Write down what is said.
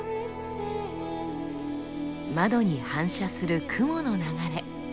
窓に反射する雲の流れ。